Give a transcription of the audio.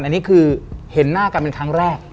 อันนี้คือเห็นหน้ากันเป็นครั้งแรก